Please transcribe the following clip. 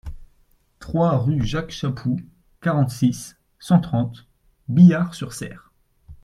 trois rue Jacques Chapou, quarante-six, cent trente, Biars-sur-Cère